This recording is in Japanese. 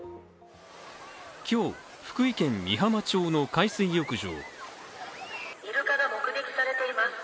今日、福井県美浜町の海水浴場。